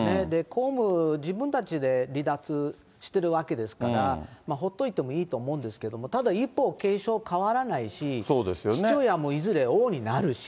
公務、自分たちで離脱してるわけですから、ほっといてもいいと思うんですけど、ただ、一方、継承変わらないし、父親もいずれ王位になるし。